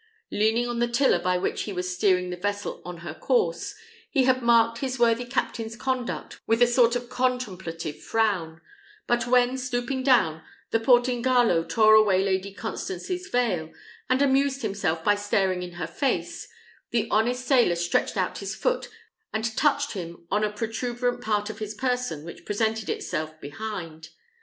Leaning on the tiller by which he was steering the vessel on her course, he had marked his worthy captain's conduct with a sort of contemplative frown; but when, stooping down, the Portingallo tore away Lady Constance's veil, and amused himself by staring in her face, the honest sailor stretched out his foot, and touched him on a protuberant part of his person which presented itself behind.